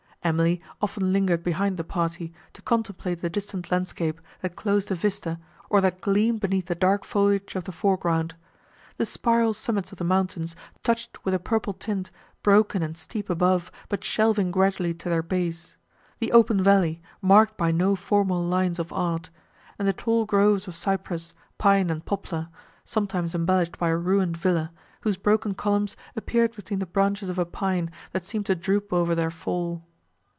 Emily often lingered behind the party, to contemplate the distant landscape, that closed a vista, or that gleamed beneath the dark foliage of the foreground;—the spiral summits of the mountains, touched with a purple tint, broken and steep above, but shelving gradually to their base; the open valley, marked by no formal lines of art; and the tall groves of cypress, pine and poplar, sometimes embellished by a ruined villa, whose broken columns appeared between the branches of a pine, that seemed to droop over their fall.